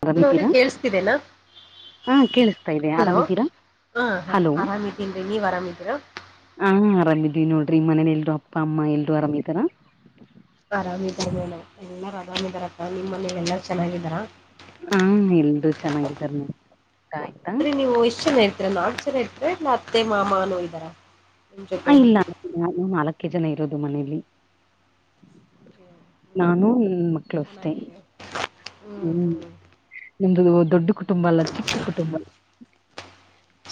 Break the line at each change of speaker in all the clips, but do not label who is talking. ಹ
ಹಲೋ ಅವ್ರೆ ಕೇಳಸ್ತಿದೇನಾ.
ಹಾ ಕೇಳಿಸ್ತಾ ಇದೆ
ಹಲೋ
ಆರಾಮಿದ್ದೀರಾ
ಹಾ ಹಾ
ಹಲೋ
ಆರಾಮಿದ್ದೀನ್ರಿ ನೀವ್ ಆರಾಮಿದೀರ.
ಹಾ ಆರಾಮಿದ್ವಿ ನೋಡ್ರಿ ಮನೇಲಿ ಎಲ್ರು ಅಪ್ಪ ಅಮ್ಮ ಎಲ್ರು ಆರಾಮಿದಾರ.
ಆರಾಮ್ ಇದಾರೆ ಮೇಡಂ ಎಲ್ಲಾರ ಆರಾಮ್ ಇದಾರಪ್ಪನಿಮ್ಮ್ ಮನೆಲ್ಲಿ ಎಲ್ಲಾರು ಚೆನ್ನಾಗಿದ್ದಾರ.
ಹಾ ಎಲ್ಲರೂ ಚೆನ್ನಾಗಿದಾರ ನೋಡಿ. ಊಟ ಆಯ್ತಾ
ರೀ ನೀವು ಎಷ್ಟ್ ಜನ ಇರತ್ತೀರಾ ನಾಲ್ಕ್ ಜನ ಇರತ್ತೀರಾ ಇಲ್ಲ ಅತ್ತೆ ಮಾಮನೋ ಇದಾರ.
ಹ ಇಲ್ಲ. ನಾನು ನಾಲ್ಕೇ ಜನ ಇರೋದು ಮನೆಲ್ಲಿ
ಹ್ಮ್,
ನಾನು ನನ್ನ ಮಕ್ಕಳು. Close tea.
ಚೆನ್ನಾಗಿದೆ ಹ್ಮ್
ಹುಂ
ಹ್ಮ್
ನಿಮ್ದ ದೊಡ್ಡ ಕುಟುಂಬ ಅಲ್ಲ ಚಿಕ್ಕ ಕುಟುಂಬ.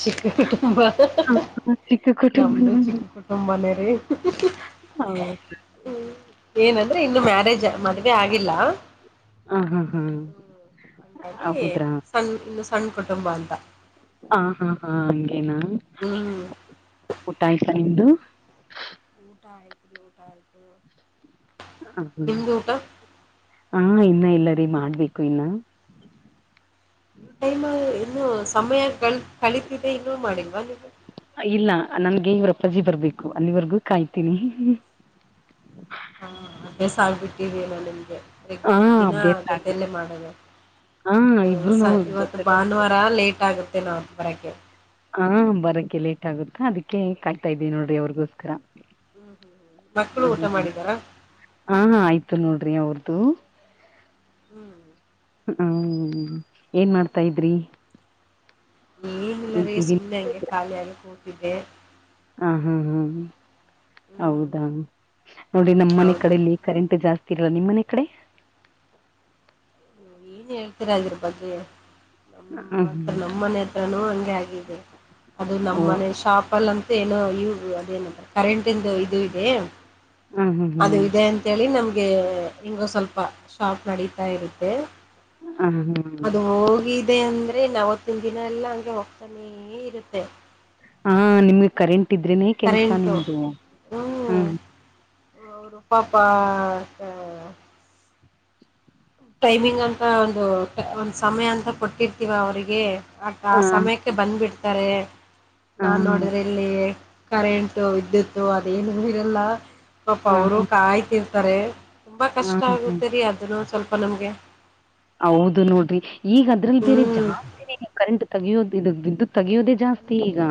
ಚಿಕ್ಕ ಕುಟುಂಬ ಹ್ಹಾ
ಹ,
ಹ್ಹ
ಹ, ಚಿಕ್ಕ ಕುಟುಂಬ
ನಮ್ದು ಚಿಕ್ಕ ಕುಟುಂಬನೇ ರೀ.
ಹೌದ.
ಹುಂ ಏನಂದ್ರೆ ಇನ್ನು ಮ್ಯಾರೇಜ್ ಮದ್ವೆ ಆಗಿಲ್ಲ.
ಹ ಹಾ ಹಾ
ಹಾಗಂಗಾಗಿ
ಹೌದ್ರಾ
ಸಣ್ಣ ಇನ್ನು ಸಣ್ಣ ಕುಟುಂಬ ಅಂತ.
ಹ ಹಾ ಹಾ ಹಂಗೇನಾ
ಹ್ಮ್
ಊಟ ಆಯ್ತು ನಿಂದು.
[unintelligible] ನಿಮ್ದು ಊಟ
ಹಾ ಇನ್ನ ಇಲ್ರೀ ಮಾಡ್ಬೇಕು ಇನ್ನ.
ಈ ಟೈಮ್ ಇನ್ನು ಸಮಯ ಕಲಿತಿದೆ ಇನ್ನೂ ಮಾಡಿಲ್ವಾ ನೀವು.
ಇಲ್ಲ ನನ್ಗೆ ಇವ್ರ ಅಪ್ಪಾಜಿ ಬರ್ಬೇಕು ಅಲ್ಲಿವರ್ಗೂ ಕಾಯ್ತೀನಿ.
ಹಾ, ಅಭ್ಯಾಸ ಆಗ್ಬಿಟ್ಟಿದೇನೊ ನಿಮ್ಗೆ
ಹಾ
ದಿನ
ಬೆಂದಾಗ್
ಜೊತೆಯಲ್ಲೇ ಮಾಡೋದು.
ಹಾ
ಹುಂ
ಇಬ್ರು
ಸ
ನಾವು
ಇವತ್ತು
ಜೊತೆ
ಭಾನುವಾರ ಲೇಟ್ ಆಗುತ್ತೇನೊ ಅವರು ಬರಕ್ಕೆ.
ಹಾ ಬರಕ್ಕೆ ಲೇಟ್ ಆಗುತ್ತಾ ಅದಕ್ಕೆ ಕಾಯ್ತಾಇದ್ದೀನಿ ನೋಡ್ರಿ ಅವರಿಗೋಸ್ಕರ.
ಹುಂ, ಹೂಂ, ಹುಂ ಮಕ್ಕಳು ಊಟ ಮಾಡಿದ್ದಾರಾ
ಹಾ, ಹಾ ಆಯ್ತು ನೋಡ್ರಿ ಅವ್ರುದು.
ಹೂ. [unintelligible]
ತಾವು ಏನ್ ಮಾಡ್ತಾ ಇದ್ರಿ. [unintelligible]
ಏನ್ ಇಲ್ಲರಿ ಸುಮ್ಮನೆ ಹಂಗೆ ಖಾಲಿ ಆಗೆ ಕೂತಿದ್ದೆ. [unintelligible]
ಹಾ ಹ ಹ
ಹ್ಮ್
ಹೌದಾ ನೋಡಿ ನಮ್ಮನೆ ಕಡಲಿ
ಹೌದ್ರಿ
[unintelligible] ಕರೆಂಟ್ ಜಾಸ್ತಿ ಇರಲ್ಲ ನಿಮ್ಮ ಮನೆ ಕಡೆ. [unintelligible]
ಏನ್ ಹೇಳ್ತೀರಾ ಅದರ ಬಗ್ಗೆ
ಹ
ನಮ್ಮತ್ರ
ಹ್ಮ್
ನಮ್ಮ ಮನೆ [unintelligible] ಹತ್ರನು ಹಂಗೆ ಆಗಿದೆ ಅದು
ಓ
ನಮ್ಮನೆ ಶಾಪಲ್ಲ ಅಂತ [unintelligible] ಇದ ಏನೋ ಯುಜ್ ಅದೇನು ಕರೆಂಟ್ ಇಂದ ಇದು ಇದೆ
ಹ ಹ್ಮ್ ಹ್ಮ್
ಅದು ಇದೆ ಅಂ [unintelligible] ಅಂತ್ ಹೇಳಿ ನಮ್ಗೆ ಹಿಂಗೊ ಸ್ವಲ್ಪ ಶಾಪ್ ನಡೀತಾ ಇರುತ್ತೆ.
ಹ
[unintelligible]
ಹ್ಮ್
ಅದು ಹೋಗಿ. [unintelligible] ಅದೆ ಅಂದ್ರೆ ಅವತ್ತಿನ ದಿನ ಎಲ್ಲಾ ಹಂಗೆ ಹೋಗ್ತಾನೆ ಇರುತ್ತೆ
ಹಾ ನಿಮ್ಗೆ ಕರೆಂಟ್ ಇದ್ರೆನೇ
ಕರೆಂಟು ಹೂ ಅವರು ಪಾಪ್ ಟೈಮಿಂಗ್ ಅಂತ ಒಂದು ಸಮಯ ಅಂತ ಕೊಟ್ಟಿರ್ತೀವಾ ಅವರಿಗೆ ಆ
ಹ
ಸಮಯಕ್ಕೆ ಬಂದ್ಬಿಡ್ತಾರೆ ನಾನ
ಹ
ನೋಡಿದ್ರೆ ಇಲ್ಲಿ ಕರೆಂಟು ವಿದ್ಯುತ್ ಅದೇನು ಇರಲ್ಲಾ ಪಾಪ
ಹ
ಅವರು
ಹ
ಕಾಯ್ತಿರ್ತಾರೆ ತುಂಬಾ
ಹ
ಕಷ್ಟ
ಹ
ಆಗುತ್ತೆ ರೀ ಅದನ್ನು ಸ್ವಲ್ಪ ನಮಗೆ
ಹೌದು ನೋಡ್ರಿ ಈಗ ಅದ್ರಲ್ಲಿ ಬೇರೆ
ಹ್ಮ್
ಜಾಸ್ತಿ ಕರೆಂಟ್ ತೆಗಿಯೋದು ಬಿಡು ಬಿದು ತೆಗಿಯೋದೇ ಜಾಸ್ತಿ ಈಗಾ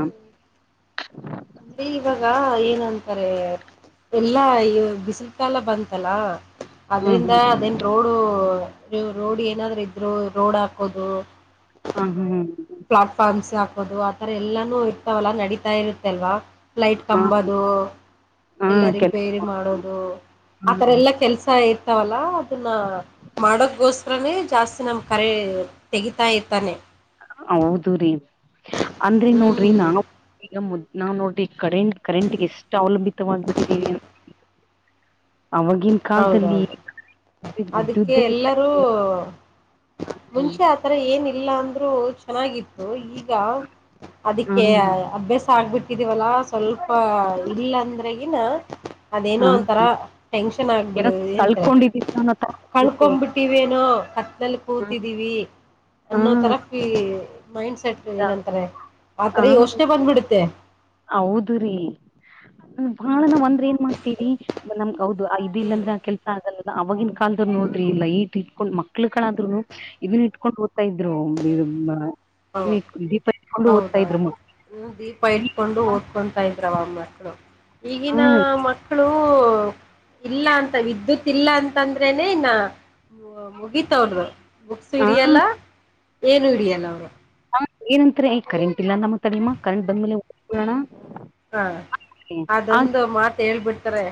ರೀ ಇವಾಗ ಏನಂತಾರೆ ಎಲ್ಲಾ ಈ ಬಿಸಿಲು ಕಾಲ ಬಂತ ಲಾ
ಹ್ಮ್
ಅದ್ರಿಂದ
ಹ್ಮ್
ಅದೇಗ ರೋಡು ರೋಡ್ ಏನಾದರೂ ಇದ್ರು ರೋಡ್ ಹಾಕೋದು
ಹಾ ಹೂಂ ಹುಂ
ಪ್ಲಾಟ್ಫಾರ್ಮ್ಸ್ ಹಾಕೋದು ಆತರ ಎಲ್ಲಾನು ಇರ್ತಾವಲ್ಲಾ ನಡೀತಾ ಇರುತ್ತೆ ಅಲ್ವಾ ಲೈಟ್
ಹ
ಕಂಬದು
ಹಾ
ಎಲ್ಲಾ
ಕೆಲ್ಸ
ರಿಪೇರಿ ಮಾಡೋದು ಆತರ
ಹ್ಮ್
ಎಲ್ಲಾ ಕೆಲ್ಸಾ ಇರ್ತಾವಲ್ಲಾ ಅದನ್ನ ಮಾಡೋದಗೋಸ್ಕರನೇ ಜಾಸ್ತಿ ನಮ್ ಕರೆ ತೆಗಿತಾ ಇರ್ತಾನೆ
ಹೌದು ರೀ ಅಂದ್ರೆ ನೋಡ್ರಿ
ಹ್ಮ್
ನಾನು ಈಗ ಮುದ್ ನಾ ನೋಡ್ರಿ ಕರೆಂಟ್ ಕರೆಂಟ್ಗೆ ಎಷ್ಟು ಅವಲಂಬಿತವಾಗಬಿಟ್ಟಿದೀವಿ ಅ ಅವಾಗಿನ
ಹೌದೌದು ಅದಕ್ಕೆ
ಇತ್ತ
ಎಲ್ಲರೂ ಮುಂಚೆ ಆ ಈ ತರಾ ಏನಿಲ್ಲಾ ಅಂದ್ರನು ಚೆನ್ನಾಗಿತ್ ಓ ಈಗ
ಹಾ
ಅದಕ್ಕೆ ಅಭ್ಯಾಸ ಆಗ್ಬಿಟ್ಟಿದೀವಲ್ಲಾ. ಸ್ವಲ್ಪ ಇಲ್ಲಾ ಅಂದ್ರೆಗಿನ
ಹಾ
ಅದೇನೋ ಒಂಥರಾ
ಏನೋ
ಚೆನ್ನಾಗ್ಬಿಡು ಎನ್
ಕಳ್ಕೊಂಡಿದ್ದಿತ್ತು ಅನ್ನೋ ತರ
[unintelligible]
ಇರುತ್ತೆ.
ಕಳ್ಕೊಬಿಟ್ಟಿವೇನೋ ಕತ್ತಲಲ್ಲಿ
ಹಾ
ಕೂತಿದೀವಿ. ಅನ್ನೋ ತರ
ಹಾ
ಫೀ ಮೈಂಡ್ ಸೆಟ್ ಏನಂತಾರೆ ಆತರ ಯೋಚ್ನೆ ಬಂದ್ಬಿಡುತ್ತೆ
ಹೌದ್ರೀ ಬಹಳ ನಾವ ಅಂದ್ರೆ ಏನ್ ಮಾಡ್ತೀವಿ ನಮ ಹೌದು ಇದ್
ಹ್ಮ್
ಇಲ್ಲಂದ್ರೆ ಕೆಲ್ ಆಗಲ್ಲ ಅವವಾಗಿಗನ್ ಕಾಲ್ದರು ನೋಡ್ರಿ ಇ ಲೈಟ್ ಇಟ್ಕೊಂಡ್ ಮಕ್ಳ ಕಾದ್ರುನು ಇದನ್ ಇಟ್ಕೊಂಡು ಓತ್ತ ಇದ್ರು
ಹೌದು
ದೀಪ ಇಟ್ಕೊಂಡು ಓದ್ತಾ ಇದ್ರು
ಹೌದೌದು
ಮ
ಹ್ಮ ದೀಪ ಇಟ್ಕೊಂಡು ಓದ್ಕೊತಾ ಇದ್ರವ ಮಕ್ಳು ಈಗಿನ
ಹ್ಮ್
ಮಕ್ಕಳು ಇಲ್ಲ ಅಂತ ವಿದ್ಯುತ್ ಇಲ್ಲ ಅಂತಂದ್ರೇನೆ ಇ ನ ಮುಗಿತ್ ಅವರ್ದು ಬುಕ್ಸ್
ಹಾ
ಹಿಡಿಯಲ್ಲ ಏನು ಹಿಡಿಯಲ್ಲ ಅವರು
ಹಾ ಏನಂತಾರೆ ಯ ಕರೆಂಟ್ ಇಲ್ಲಾ ನಮ್ಮ ತಳಮ್ಮ ಕರೆಂಟ್ ಬಂದ್ಮೇಲೆ ಓಕೋಣ
ಹಾ ಅದೊಂದು ಮಾತ್ ಹೇಳ್ಬಿಡ್ತಾರೆ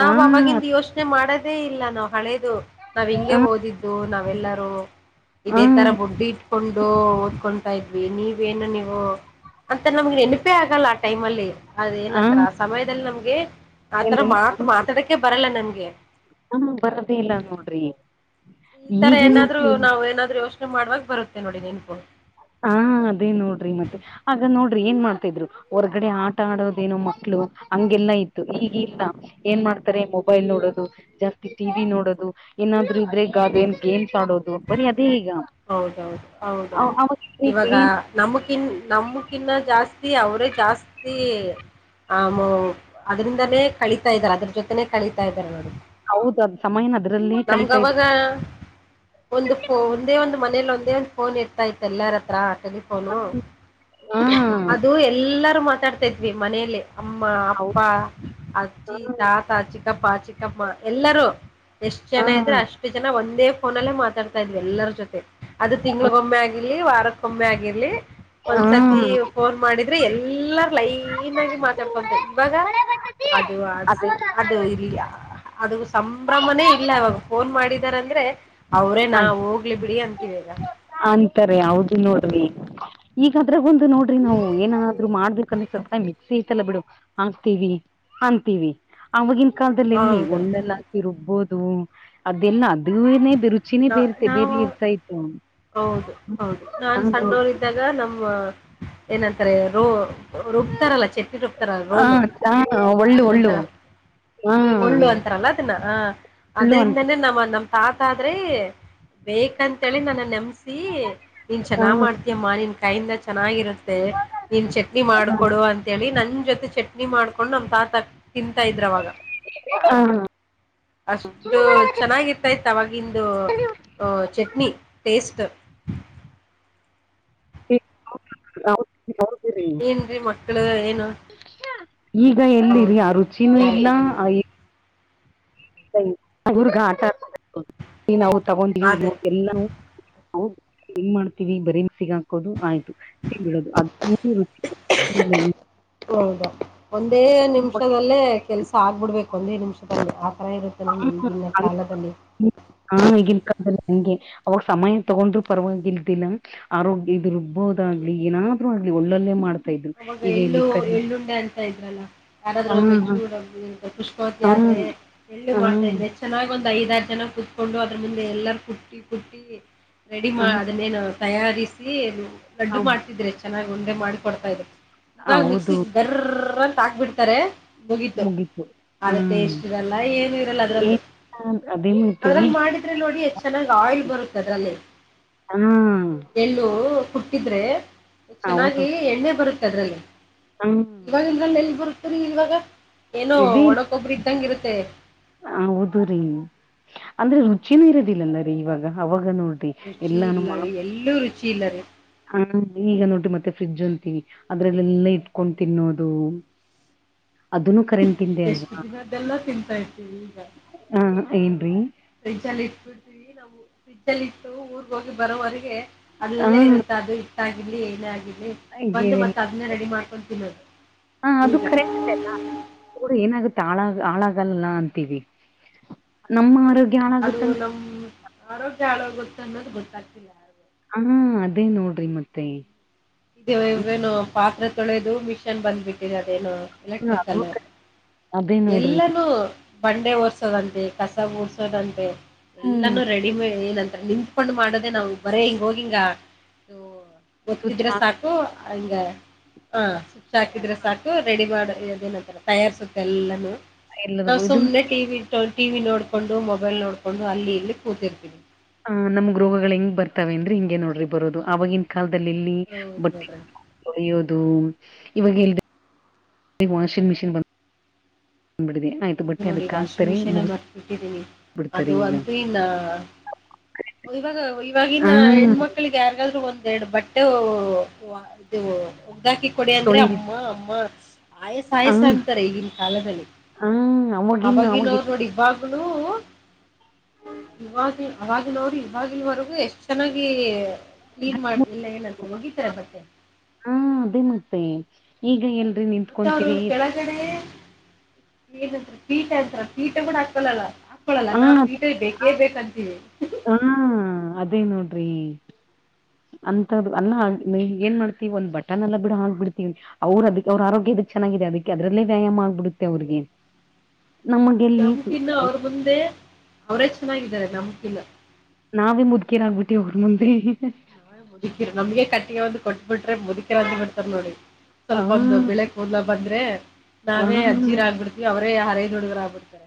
ಹಾ
ಅವಾಗಿಂದು ಯೋಸ್ ಯೋಚ್ನೆ ಮಾಡದೇ ಇಲ್ಲ ನಾವ್ ಹಳೇದು ನಾವ್ ಹಿಂಗೆ
ಹಾ
ಓದಿದ್ದು ನಾವೆಲ್ಲರೂ ಇದೇ
ಹಾ
ತರ ಬುಡ್ಡಿ ಇಟ್ಕೊಂಡು ಓದ್ ಓದ್ಕೊಂತಾ ಇದ್ವಿ ನೀವೇನು ನೀವು ಅಂತ ನಮ್ಗೆ ನೆನಪೇ ಆಗಲ್ಲ ಆ ಟೈಮ ಅಲ್ಲಿ ಅದ
ಹಾ
ಏನಂತಾರ ಆ ಸಮಯದಲ್ಲಿ ನಮ್ಗೆ ಆತರ ಮಾತ್ ಮಾತಾಡಕೆ ಬರಲ್ಲ ನಮ್ಗೆ
ಹ್ಮ ಬರದೆ ಇಲ್ಲ ನೋಡ್ರಿ
ಈ ತರ
ಈಗಿನ
ಏನಾದ್ರು
ಮಕ್ಳು
ನಾವ್ ಏನಾದ್ರು ಯೋಚ್ನೆ ಮಾಡುವಾಗ ಬರುತ್ತೆ ನೋಡಿ ನೆನ್ಪ್
ಹಾ ಅದೇ ನೋಡ್ರಿ ಮತ್ತೆ ಆಗ ನೋಡ್ರಿ ಏನ್ ಮಾಡ್ತಾ ಇದ್ರು ಹೊರ್ಗಡೆ ಆಟ ಆಡೋದೇನೋ ಮಕ್ಳು ಹಂಗೆಲ್ಲಾ ಇತ್ತು ಹೀಗಿಲ್ಲ ಏನ್ ಮಾಡ್ತಾರೆ ಮೊಬೈಲ್ ನೋಡೋದು ಜಾಸ್ತಿ ಟಿವಿ ನೋಡೋದು ಏನಾದ್ರು ಇದ್ರೆ ಗಾದ ನ್ ಗೇಮ್ಸ್ ಆಡೋದು ಬರಿ ಅದೇ ಈಗ
ಹೌದೌದು ಹೌದೌದು
ಅವಾಗ
ಇವಾಗ
ಏನ್
ನಮಕಿನ್ ನಮಕ್ಕಿನ್ನ ಜಾಸ್ತಿ ಅವರೇ ಜಾಸ್ತಿ ಆ ಮ್ ಅದರಿಂದಾನೇ ಕಳಿತಾ ಇದಾರೆ ಅದ್ರ ಜೊತೆನೆ ಕಳಿತಾ ಇದಾರೆ ನೋಡಿ
ಹೌದ್ ಅದ್ ಸಮಯನ ಅದ್ರಲ್ಲೇ ಕಳಿತಾ
ನಮ್ಗವಾಗ
ಇದ್ವಿ
ಒಂದು ಫೋ ಒಂದೇ ಒಂದ್ ಮನೇಲಿ ಒಂದೇ ಒಂದ್ ಫೋನ್ ಇರ್ತಾ ಇತ್ತು ಎಲ್ಲಾರ ಹತ್ರ ಟೆಲಿಫೋನು
ಹಾ
ಅದು ಎಲ್ಲಾರೂ ಮಾತಾಡ್ತಾ ಇದ್ವಿ ಮನೇೆಯಲ್ಲಿ ಅಮ್ಮ
ಹೌದ
ಅಪ್ಪ ಅಜ್ಜಿ ಜ್ಜಿ ತಾತಾ ಚಿಕ್ಕಪ್ಪ ಚಿಕ್ಕಮ್ಮ ಎಲ್ಲರೂ ಎಷ್ಟ್ ಜನ ಇದ್ರೆ
ಹ
ಅಷ್ ಅಷ್ಟ್ ಜನ ಒಂದೇ ಫೋನಲ್ಲೇ ಮಾತಾಡ್ತಾ ಇದ್ವಿ ಎಲ್ಲರ ಜೊತೆ ಅದು
ಹ
ತಿಂಗಗಳಿಗೊಮ್ಮೆ ಆಗಲಿ ಲಿ ವಾರಕ್ಕೊಮ್ಮೆ ಆಗಿರ್ಲಿ
ಹ
ಒಂದ್ಸತಿ ಫೋನ್ ಮಾಡಿದ್ರೆ ಎಲ್ಲಾರ ಲೈನ್ ಆಗಿ ಮಾತಾಡ್ಕೊಂತ ಇವಾಗ ಅದು ಅ
ಅದೇ
ಅದು ಇಲ್ಲ ಅ ಅದು ಸಂಭ್ರಮನೇ ಇಲ್ಲ ಇವಾಗ ಫೋನ್ ಮಾಡಿದಾರ ಅಂದ್ರೆ ಅವ್ರೇ ನಾ
ಆಯ್ತು
ಹೋಗ್ [inaudible] ಕು ಆಂತತಿ ವೇಗ
ಅಂತಾರೆ ಹೌದು ನೋಡ್ರಿ ಈಗ ಅದ್ರಾಗ ಒಂದು ನೋಡ್ರಿ ನಾವು ಏನಾದ್ರು ಮಾಡ್ಬೇಕ ಅಂದ್ರ ಸ್ವಲ್ ಮಿಕ್ಸಿ ಐತಲ್ಲ ಬಿಡು ಹಾಕ್ತೀವಿ ಅಂತೀವಿ ಆಗಿನ ಕಾಲದಲ್ಲಿ ಎಲ್ಲಿ
ಹೌದು
ಒಳ್ಳೆಲ್ಲ ಹಾಕಿ ರುಬ್ಬೋದು ಅದೆಲ್ಲ ಅದು ಚಿನಿ
ನಾ-
ಬೇರೆತೆ ಬೇರೆ
ನಾವು
ಇರ್ತೈತು [inaudible]
ಈಗ ನಮ್ಮ ಏನಂತಾರೆ ರೋ ರೊಬ್ತಾರಲ್ಲ ಚಟ್ನಿ ರಬ್ ರ
ಹ
ರೋಲು
ಚಾ ಒಳ್ಳು ಒಳ್ಳು
ನಂತರ
ಹಾ
ಒಳ್ಳು ಅಂತಾರಲ್ಲ ಅದನ್ನ ಹ
ಒಳ್ಳು ಅಂತ
ಅದ್ರಿಂದಾನೇ ನಮ್ಮ ನಮ್ಮ ತಾತಾದ್ರೆ ಬೇಕಂತೇಳಿ ನನ್ನ ನೆಮಸಿ ನೀನ್ ಚೆನ್ನ
ಹ
ಮಾಡ್ತ ಮ್ಮ ನಿನ್ ಕೈಯಿಂದ ಚೆನ್ನಾಗಿರುತ್ತೆ ನೀನ್ ಚಟ್ನಿ ಮಾಡ್ಕೊಡು ಅಂತ ಹೇಳಿ ನನ್ ಜೊತೆ ಚಟ್ನಿ ನಿ ಮಾಡ್ಕೊಂಡು ನಮ್ ತಾತ ತಿಂತಾ ಇದ್ರ ಅವಾಗ
ಹಾ
ಅಷ್ಟು ಚೆನ್ನಾಗಿರ್ತ ಇತ್ತು ಅವವಾಗಿಂದು ಚಟ್ನಿ ಟೇಸ್ಟ್
ಹ ಹೌದು
ಏನ್ರೀ ಮಕ್ಳು ಏನು
ಈಗ ಎಲ್ಲಿರಿ ಆ
ಹೌದ್ರಿ
ರುಚಿನೂ
ಹಿಂಗೆ
ಇಲ್ಲ
ಆಗಿದೆ
ಅ
ನೋಡಿ
ಇ ರ್ಗ [inaudible] ಆಟ ನಾವು ತಗೊಂಡಿವವಿ ಇವ
ಅದೇ
ಎಲ್ಲಾ ಹೌದ ಹೆಂಗ ಮಾಡ್ತೀವಿ ಬರೀ ಮಿಕ್ಸಿಗಾಕೋದು ಆಯ್ತು [inaudible] ತಿಂಬಿಡದು ಅದ ರುಚಿ
ಹೌದಾ ಒಂದೇ ನಿಮಿಷದಲ್ಲೇ ಕೆಲ್ಸ ಆಗ್ಬಿಡ್ಬೇಕು ಒಂದೇ ನಿಮಿಷದಲ್ಲಿ ಆತರ ಇರುತ್ತೆ [inaudible] ಂದು ಈಗಿನ ಕಾಲದಲ್ಲಿ
ಹಾ ಈಗಿಲ್ ಕಲ್ಲ ಹಂಗೆ ಅವಾಗ ಸಮಯ ತಗೊಂಡ್ರು ಪರವಾಗಿಲ್ದಿಲ್ಲ ಆರೋಗ್ಯ ಇದುರುಬ್ಬೋದಾಗ್ಲಿ ಏನಾದ್ರು ಆಗ್ಲಿ ಒಳ್ಳಲ್ಲೆ ಮಾಡ್
ಅವಾಗ ಎಳ್ಳು ಎಳ್ಳುಂಡೆ ಅಂತ ಇದ್ರಲ್ಲ
ಹಾ
ಯಾರಾದ್ರರುೂ ಮೆಚ್ಚು ಪುಷ್ಪಾವತಿ
ಹಾ
ಆದ್ರೆ ಎಳ್ಳು
ಹಾ
ಮಾಟ [inaudible] ನೆಚ್ಚು ಚೆನ್ನಾಗ ಒಂದ್ ಐದಾರ ಜನ ಕುೂತ್ಕೊಂಡು ಅದ್ರ ಮುಂದೆ ಎಲ್ಲರ ಕುುಟ್ಟಿ ಕುುಟ್ಟಿ ರೆಡಿ
ಹಾ
ಮಾ ಅದನ್ನೇನ ತಯಾರಿಸಿ
ಹಾ
ಲಡ್ಡು ಮಾಡ್ತಿದ್ರೆ ಚೆನ್ನಾಗ್ ಉಂಡೆ ಮಾಡಿ ಕೊಡ್ತಾ ಇದ್ರು ಇವಾಗ ಮಿಕ್ಸಿ
ಹೌದು
ಗರ್ ಅಂತ ಹಾಕ್ಬಿಡ್ತಾರೆ ಮುಗೀತು ಆದ ಟೇಸ್ಟ್ ಇರಲ್ಲ ಏನು ಇರಲ್ಲ ಅದ್ರಲ್ಲಿ
ಹ ಅದೇ
ಅದ್ರಲ್ಲಿ
ಈಗ
ಮಾಡಿದ್ರೆ ನೋಡಿ ಎಷ್ಟ್ ಚೆನ್ನಾಗಿ ಆಯಿಲ್ ಬರುತ್ತೆ ಅದ್ರಲ್ಲಿ
ಹ್ಮ್
ಎಳ್ಳು ಕುಟ್ಟಿದ್ರೆ
ಹೌದು
ಚೆನ್ನಾಗಿ ಎಣ್ಣೆ ಬರುತ್ತೆ ಅದ್ರಲ್ಲಿ
ಹ್ಮ್
ಇವಾಗ ಇಲ್ ಎಲ್ಲಿ ಬರುತ್ತರಿ ಇವಾಗ ಏನೋ ಒಣಕೊಬ್ಬರಿ ಇದ್ದಂಗ್ ಇರುತ್ತೆ
ಹ ಹೌದು ರೀ ಅಂದ್ರೆ ರುಚಿನೂ ಇರೋದಿಲ್ಲಲ್ಲ ರೀ ಇವಾಗ ಅವಾಗ ನೋಡ್ರಿ [inaudible] ಎಲ್ಲಾನು ಮಾ
ಇಲ್ಲೂ ರುಚಿ ಇಲ್ಲ ರೀ
ಹ ಈಗ ನೋಡಿ ಮತ್ತೆ ಫ್ರಿಜ್ ಅಂತೀವಿ ಅದ್ರಲ್ಲೆಲ್ಲಾ ಇಟ್ಕೊಂಡ್ ತಿನ್ನೋದು ಅದನ್ನು ಕರೆಂಟಿಂದೆ ಅಲ್ವಾ
ಎಷ್ಟು ದಿನದೆೆಲ್ಲ ತಿಂತಾ ಇರ್ತೀವಿ ಈಗ
ಹಾ ಏನ್ರಿ
ಫ್ರಿಡ್ಜ್ ಅಲ್ಲಿ ಇಟ್ಬಿಟ್ಟಿ ನಾವು ಫ್ರಿಡ್ಜ್ ಲ್ಲಿ ಇಟ್ಟು ಊರ್ಗ ಹೋಗಿ ಬರೋವರೆಗೆ
ಹ
ಅಲ್ಲೇ ಇರುತ್ತೆ ಅದು ಹಿಟ್ಟಾಗಿರಲಿ ಏನೇ ಆಗಿರ್ಲಿ ಬಂದು ಮತ್ತ ಅದನ್ನೇ ರೆಡಿ ಮಾಡ್ಕೊಂಡು ತಿನ್ನೋದು
ಹಾ ಅದು
ಈಗ
ಕರೆ ಆದೆ ಅಲ್ಲಊರು ಏನಾಗುತ್ತೆ ಆಳಾಗ ಹಾಳಾಗಲ್ಲ ಅಂತೀವಿ ನಮ್ಮ
ಹೌದು
ಆರೋಗ್ಯ
ಅದು
ಹಾಳಾಗುತ್ತಾ
ನಮ್ಮ ಆರೋಗ್ಯ ಹಾಳ ಗೊತ್ತೆ ಅನ್ನೋದು ಗೊತ್ತಾಗ್ತಿಲ್ಲ ಯಾರಿಗೂ.
ಹಾ ಅದೇ ನೋಡ್ರಿ ಮತ್ತೆ
ಇದ
ಈಗ
ಇವೇನು ಪಾತ್ರೆ ತೊಳೆದು ಮಿಶನ್ ಬಂದ್ಬಿಟ್ಟಿದೆ ಅದೇನು
ಅದು
ಎಲೆಕ್ಟ್ರಿಕಲ್ಲು
ಅದೇ ನೋಡ್ರಿ
ಎಲ್ಲಾನೂ ಬಂಡೆ ಓರ್ಸೋದಂತೆ ಕಸ ಗೂಡ್ಸದಂತೆ
ಹ್ಮ್
ಎಲ್ಲಾನೂ ರೆಡಿ ಕಡಿಮೆ ಏನಂತ ನಿಂತ್ಕೊಂಡ್ ಮಾಡೋದ ನಾವು ಬರೇ ಹಿಂಗ ಹೋಗಿ
ಸ್ವಿಚ್
ಇದ್ರೆ
ಹಾಕ
ಸಾಕು ಹಿಂಗ ಹ ಸುಚ್ ಹಾಕಿದ್ರೆ ಸಾಕು ರೆಡಿ ಮಾಡಿಏನಂತರ ತಯಾರಿಸುತ್ತೆ ಎಲ್ಲಾನೂ ನಾವು
ಎಲ್ಲರಿಗೂ ಇದು
ಸುಮ್ನೆ ಟಿ ಟಿ ವಿ ನೋಡಕೊಂಡು ಮೊಬೈಲ್ ನೋಡಕೊಂಡು ಅಲ್ಲಿ ಇಲ್ಲಿ ಕೂತಿರ್ತೀನಿ
ಆ ನಮಗ್ ರೋಗಗಳು ಹೆಂಗ್ ಬರ್ತವೆ ಅಂದ್ರೆ ಹಿಂಗಗೆ ನೋಡ್ರಿ ಬರೋದು ಆವಾಗಿನ ಕಾಲದಲ್ಲಿ ಇಲ್ಲಿ
ಹೌದು
ಬಟ್ಟೆ
ನೋಡ್ರಿ
ಹೊಳಿಯೋದು ಇವಾಗ ಎಲ್ ಈಗ ವಾಷಿಂಗ್ ಮಿಷನ್ ಬ್ ಬಂದ್ಬಿಟ್ಟಿದೆ
ಹೌದು ನೋಡಿ
ಅದಕ್
ವಾಷಿಂಗ್
ಹಾಕ್ತಾರೆ
ಮಿಷೀನ್ಲ್ಲಿ
ಮುಗಿಸ್
ಮತ್ತಬಿಟ್ಟಿದೀನಿ
ಬಿಡ್ತಾರೆ
ಅದು
ಈಗ
ಅಂತೂ ಇಲ್ಲ ಇವಾಗ ಇವಾಗಿವಾಗಿನ
ಹ
ಹೆಣ್ಮಕ್ಳಿಗೆ ಯಾರಿಗಾದ್ರು ಒಂದೆರಡು ಬಟ್ಟೆ ಒ ಹೊ ವು ಒಗ್ಗ್ದಾಕಿ ಕೊಡಿ ಅಂದ್ರೆ
ತೊಳಿರಿ
ಅಮ್ಮ ಅಮ್ಮ ಆಯಸ ಆಯಸ ಅಂತಾರೆ ಈಗಿನ ಕಾಲದಲ್ಲಿ
ಹ್ಮ್
ಅವವಾಗಿನ ಅವರು ನೋಡಿ ಇವಾಗ್ಲುೂನು ಇವಾಗ್ ಆವಾಗಿನವರು ಇವಾಗಿಲವರೆಗೂ ಎಷ್ಟು ಚೆನ್ನಾಗಿ ಕ್ಲೀನ್ ಮಾಡ ಇಲ್ಲ ಏನಂತ್ರ ಹೋಗಿತಾರೆ ಬಟ್ಟೆ
ಹಾ ಅದೇ ಮತ್ತೆ ಈಗ ಎಲ್ರಿ ನಿತ್ಕೊಂತೀರಿ
ಕಡೆ ಏಂತ ಕೀಟ ಅಂತ ಕೀಟ ಕೂಡ ಹಾಕಲ್ಲಲ್ಲ ಇಕಳಲ್ಲ ನಾ ಪೀಠಲ್ಲಿ ಬೇಕೇ ಬೇಕಂತೀವಿ
ಹಾ ಅದೇ ನೋಡ್ರಿ ಅಂತದ ಅಲ್ಲ ಏನ್ ಮಾಡ್ತತಿವಿ ಒಂದ್ ಬಟನ್ ಎಲ್ಲ ಬಿಡ ಆಕ್ ಬಿಡ್ತಿವಿ ಅವ್ರ ಅದಕ್ಕೆ ಅವ್ರ ಆರೋಗ್ಯದಕ್ಕೆ ಚೆನ್ನಾಗಿದೆ ಅದಕ್ಕೆ ಅದ್ರಲ್ಲೇ ವ್ಯಾಯಾಮ ಆಗ್ಬಿಡುತ್ತೆ ಅವ್ರಿಗೆ ನಮಗೆ
ನಮ್ಕಿನ್ನ ಅವ್ರ ಮುಂದೆ ಅವರೇ ಚೆನ್ನಾಗಿದ್ದಾರೆ ನಮಕಿನ
ನಾವೇ ಮುದ್ಕೇರಾಗಗ್ಬಿಟ್ಟಿ ಅವ್ರ ಮುಂದೆ
ನಾವೇ ಮುದುಕಿರು ನಮ್ಗೆ ಕಟ್ಟಿಗೆ ಒಂದು ಕೊಟ್ಬಿಟ್ರೆ ಮುದುಕಿರ ಅಂತ ಬಿಡ್ತಾರ ನೋಡಿ ಸ್ವಲ್ಪ ಒಂದು ಬೆಳೆ ಲ್ಲ ಬಂದ್ರೆ
ಹ
ನಾವೇ ಅಜ್ಜಿರ
ಹ
ಆಗ್ಬಿಡ್ತೀವಿ ಅವರೇ ಹರೈದ್ ಹುಡುಗರ ಆಗ್ಬಿಡತಾರೆ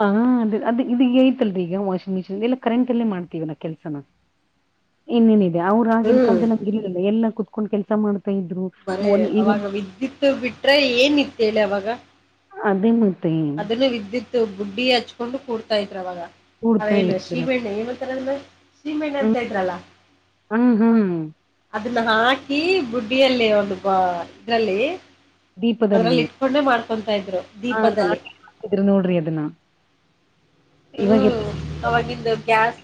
ಹ ಅದ ಅದು ಇದಗ ಐತಲ್ರಿ ಈಗಾ ಮಿಷಿನ್ ಎಲ್ಲ ಕರೆಂ ಅಲ್ಲೇ ಮಾಡ್ತೀವಿ ನಾ ಕೆಲ್ಸನ ಇನ್ನೇನಿದೆ ಅವರು ಆಗಿನ್
ಹ್ಮ್
ಕಾಲದ ನಮ ಇರ್ಲ್ಲ ಎಲ್ಲ ಕುೂತ್ಕೊಂಡ್ ಕೆಲ್ಸ ಮಾಡ್ತಾ ಇದ್ರು
ಬರೇ
ಮೊದ್ಲು ಈಗ
ಅವಾಗ ವಿದ್ಯುತ್ ಬಿಟ್ರೆ ಏನಿತ್ತೇಳಿ ಅವಾಗ
ಅದೇ ಮ
ಅದನ್ನು ವಿದ್ಯುತ್ ಗುಡ್ಡಿ ಹಚ್ಕೊಂಡು ಕೂಡ್ತಾ ಇದ್ರ್ ಅವಾಗ
ಕೂಡ್ತಾ
ಅವೇನು
ಇದ್ರ
ಶ್ರೀಮೆಣ್ಣ ಏಮತ್ತಾರ ಅ ಶ್ರೀಮೆಣ್ಣ
ಹ್ಮ್
ಅಂತ ಇದ್ರಲ್ಲ
ಹ್ಮ್ ಹ್ಮ್
ಅದನ್ನ ಹಾಕಿ ಬುಡ್ಡಿಯಲ್ಲಿ ಒಂದು ಬ ಇದ್ರಲ್ಲಿ ಅದ್ರಲ್ಲಿ ಇಟ್ಕೊಂಡೆ ಮಾಡ್ಕೊತ ಇದ್ರು
ಹಾ
ದೀಪದಲ್ಲಿ
ಲಾಟಾ [inaudible] ದರು ನೋಡ್ರಿ ಅದನ್ನಾ
ಹ್ಮ್ ಅವಾಗಿಂದು ಗ್ಯಾಸ್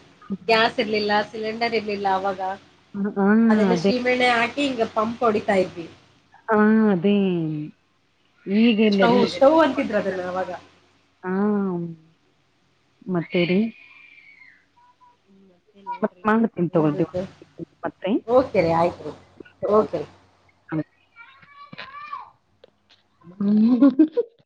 ಗ್ಯಾಸ್ ಇರ್ಲಿಲ್ಲ ಸಿಲಿಂಡರ್ ಇರ್ಲಿಲ್ಲ ಅವಾಗ
ಹ
ಅದೆಲ್ಲ
ಅದೇ
ಸೀಮೆಣ್ಣೆ ಹಾಕಿ ಹಿಂಗ ಪಂಪ್ ಹೊಡಿತಾ ಇದ್ವಿ
ಹಾ ಅದೇ
ಸ್ಟೌವ್
ಈಗೆಲ್ಲರಿ
ಸ್ಟವ್ ಅಂತಿದ್ರು ಅದನ್ನ ಅವಾಗ
ಹಾ ಮತ್ತೇ ರಿ
ಹ್ಮ್
ಮತ್
ನೋಡ್ರಿ
ಮಾಡ್ತೀನಿ ತಗೊಳ್ರಿ
ಏನ್ತ
ಮತ್ತೆ
ಓಕೆ ರಿ ಆಯ್ತ್ ರೀ ಓಕೆ ರೀ
ಹ ಬತ್ತ [inaudible]